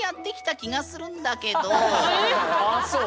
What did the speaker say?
ああそう。